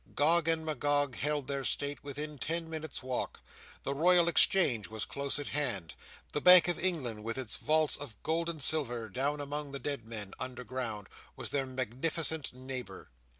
Gog and Magog held their state within ten minutes' walk; the Royal Exchange was close at hand; the Bank of England, with its vaults of gold and silver "down among the dead men" underground, was their magnificent neighbour.